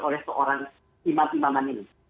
oleh seorang imam imaman ini